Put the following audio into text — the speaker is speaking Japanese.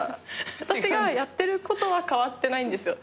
私がやってることは変わってないんですよ。